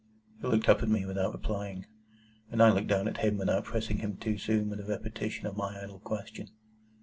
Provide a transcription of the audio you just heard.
He looked up at me without replying, and I looked down at him without pressing him too soon with a repetition of my idle question.